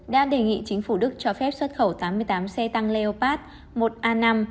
đã đề nghị chính phủ đức cho phép xuất khẩu tám mươi tám xe tăng leopat một a năm